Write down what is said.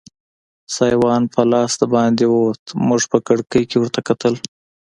سایوان په لاس دباندې ووت، موږ په کړکۍ کې ورته کتل.